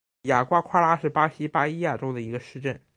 雅瓜夸拉是巴西巴伊亚州的一个市镇。